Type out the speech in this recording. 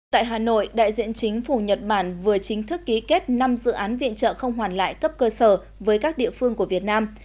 tại hà nội đại diện chính phủ nhật bản vừa chính thức ký kết năm dự án viện trợ không hoàn lại cấp cơ sở với các địa phương của việt nam